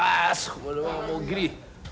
それはもうギリ！